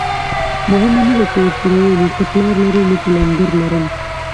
مهمه نه ده چې ورسره ووینې، ته پلار لرې؟ نه، پلندر لرم.